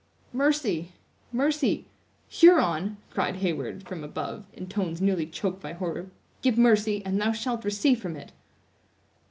"Mercy! mercy! Huron," cried Heyward, from above, in tones nearly choked by horror; "give mercy, and thou shalt receive from it!"